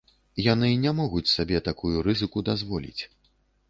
Яны не могуць сабе такую рызыку дазволіць.